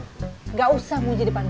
tidak usah muji di depan gue